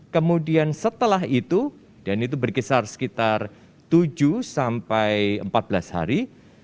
kemudian setelah itu dan itu berkisar sekitar tujuh sampai empat belas hari